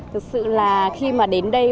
thực sự là khi mà đến đây